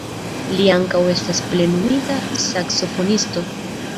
Li ankaŭ estas plenumita saksofonisto.